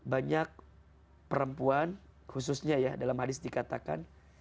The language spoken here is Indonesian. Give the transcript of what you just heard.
banyak perempuan khususnya ya dalam hadis dikatakan